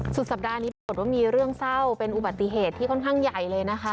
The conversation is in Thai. สุดสัปดาห์นี้ปรากฏว่ามีเรื่องเศร้าเป็นอุบัติเหตุที่ค่อนข้างใหญ่เลยนะคะ